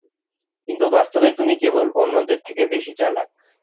কিন্তু বাস্তবে তুমি কেবল অন্যদের থেকে বেশি চালাক।